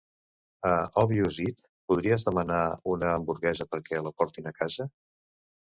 A ObviousEat podries demanar una hamburguesa perquè la portin a casa?